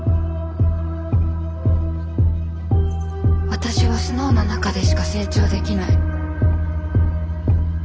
私はスノウの中でしか成長できない。